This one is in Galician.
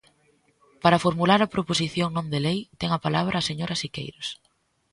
Para formular a proposición non de lei, ten a palabra a señora Siqueiros.